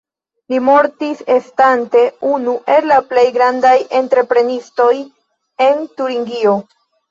Li mortis estante unu el la plej grandaj entreprenistoj en Turingio.